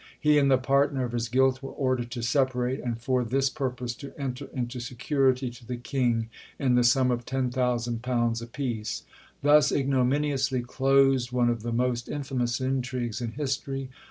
He and the partner of his guilt were ordered to separate; and for this purpose to enter into security to the King in the sum of £10,000 apiece. Thus ignominiously closed one of the most infamous intrigues in history.